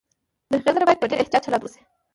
د هغې سره باید په ډېر احتياط چلند وشي